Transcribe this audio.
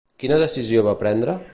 Quina decisió va prendre?